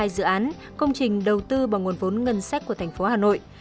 một trăm hai mươi hai dự án công trình đầu tư bằng nguồn vốn ngân sách của thành phố hà nội